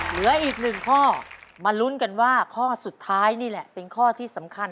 เหลืออีกหนึ่งข้อมาลุ้นกันว่าข้อสุดท้ายนี่แหละเป็นข้อที่สำคัญ